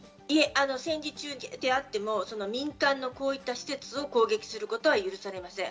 戦時中であっても民間のこういった施設を攻撃することは許されません。